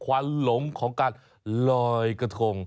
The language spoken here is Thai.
วันหลงของการลอยกระทง